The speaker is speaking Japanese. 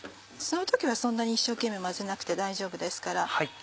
その時はそんなに一生懸命混ぜなくて大丈夫ですから。